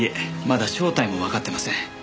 まだ正体もわかってません。